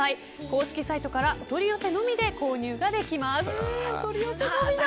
公式サイトからお取り寄せのみで購入ができます。